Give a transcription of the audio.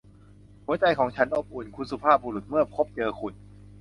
หัวใจของฉันอบอุ่น คุณสุภาพบุรุษ เมื่อพบเจอคุณ